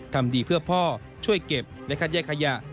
ทำดีเพื่อพ่อช่วยเก็บและคัดแยกขยะ